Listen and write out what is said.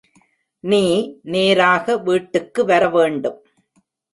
நீ நேராக வீட்டுக்கு வர வேண்டும்.